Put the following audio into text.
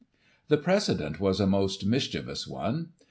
The precedent was a most mischievous one.